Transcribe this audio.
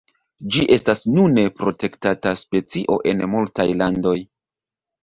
Ĝi estas nune protektata specio en multaj landoj.